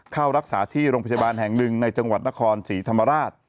เข้ารักษาที่โรงพยาบาลแห่งหนึ่งในจังหวัดนครศรีธรรมราช